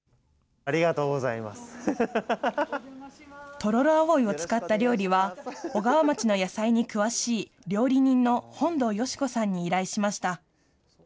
トロロアオイを使った料理は、小川町の野菜に詳しい料理人の本道佳子さんに依頼しました。